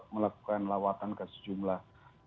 melakukan lawatan ke sejumlah